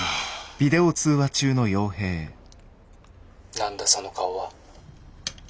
「何だその顔は」。